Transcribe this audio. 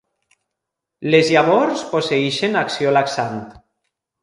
Les llavors posseeixen acció laxant.